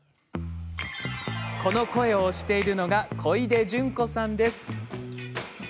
この声を推しているのが小出純子さんです。